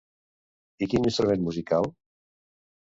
I quin instrument musical?